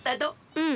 うん。